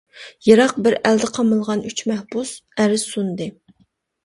يىراق بىر ئەلدە قامالغان ئۈچ مەھبۇس ئەرز سۇندى.